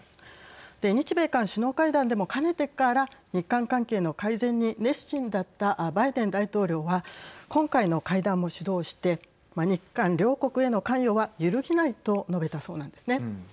日米韓首脳会談でもかねてから日韓関係の改善に熱心だったバイデン大統領は今回の会談も主導して日韓両国への関与は揺るぎないと述べたそうなんですね。